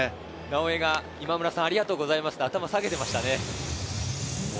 直江が「今村さん、ありがとうございます」と頭を下げていましたね。